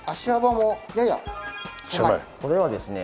これはですね